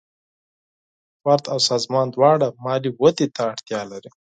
فرد او سازمان دواړه مالي ودې ته اړتیا لري.